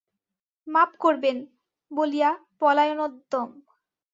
মাপ করবেন বলিয়া পলায়নোদ্যম।